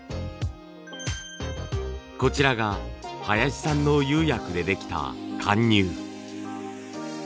こちらが林さんの釉薬でできた貫入。